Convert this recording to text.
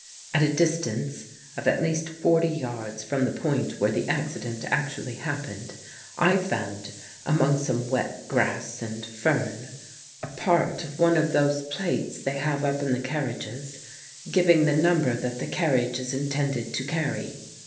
At a distance of at least forty yards from the point where the accident actually happened I found, among some wet grass and fern, a part of one of those plates they have up in the carriages, giving the nuiTiber that the carriage is intended to carry.